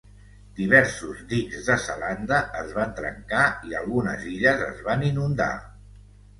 Diversos dics de Zelanda es van trencar i algunes illes es van inundar.